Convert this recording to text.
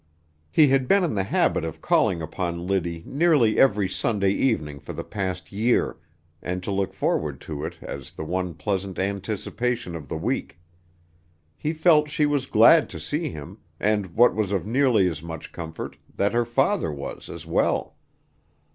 He had been in the habit of calling upon Liddy nearly every Sunday evening for the past year, and to look forward to it as the one pleasant anticipation of the week. He felt she was glad to see him, and what was of nearly as much comfort, that her father was, as well.